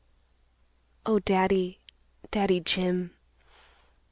"Oh, Daddy, Daddy Jim.